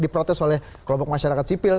diprotes oleh kelompok masyarakat sipil